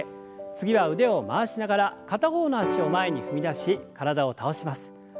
次は腕を回しながら片方の脚を前に踏み出し体を倒します。